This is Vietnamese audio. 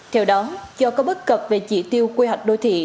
theo đó do có bất cập về chỉ tiêu quy hoạch đô thị